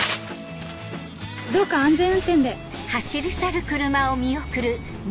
どうか安全運転で。